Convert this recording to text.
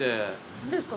何ですか？